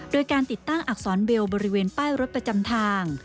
โดยการติดตั้งอักษรเวลบริเวณป้ายรถประจำทาง